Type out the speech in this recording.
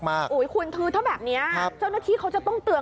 คุณคือถ้าแบบนี้เจ้าหน้าที่เขาจะต้องเตือน